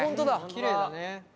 きれいだね。